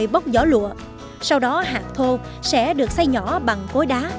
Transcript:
cắt giỏ lụa sau đó hạt thô sẽ được xay nhỏ bằng cối đá